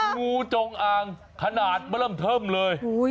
งูจงอ่างขนาดเริ่มเทิมเลย